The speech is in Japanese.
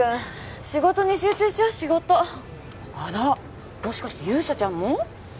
仕事に集中しよう仕事あらもしかして勇者ちゃんも？